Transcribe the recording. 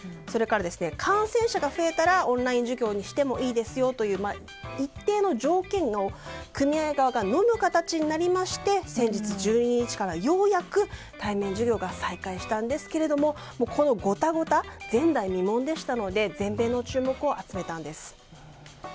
それから感染者が増えたらオンライン授業にしてもいいと一定の条件を組合側がのむ形になりまして先日１２日からようやく対面授業が再開したんですけれどもこのごたごた前代未聞でしたので全米の注目を集めたんです。